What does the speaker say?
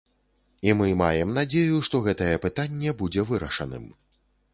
І мы маем надзею, што гэтае пытанне будзе вырашаным.